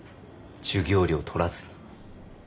授業料取らずに。